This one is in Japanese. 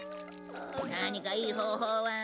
何かいい方法は。